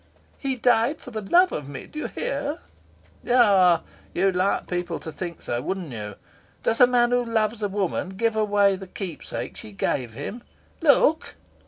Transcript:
"He died for love of me: d'you hear?" "Ah, you'd like people to think so, wouldn't you? Does a man who loves a woman give away the keepsake she gave him? Look!"